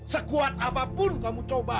sekuat apapun kamu coba